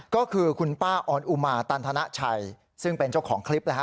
ก็คือคุณป้าออนอุมาตันธนชัยซึ่งเป็นเจ้าของคลิปนะฮะ